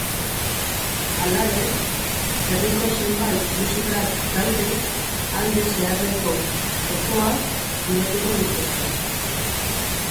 Halaber, herriko zenbait musika taldek alde zaharreko txokoak girotuko dituzte.